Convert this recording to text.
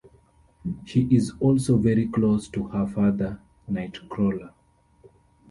She is also very close to her father, Nightcrawler.